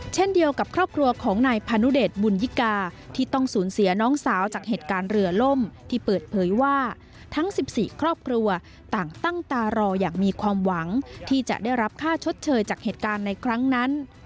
เช่นเดียวกับครอบครัวของนายพานุเดชบุญยิกาที่ต้องสูญเสียน้องสาวจากเหตุการณ์เรือล่มที่เปิดเผยว่าทั้ง๑๔ครอบครัวต่างตั้งตารออย่างมีความหวังที่จะได้รับค่าชดเชยจากเหตุการณ์ในครั้งนั้น